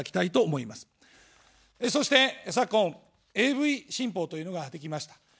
そして昨今、ＡＶ新法というのができました。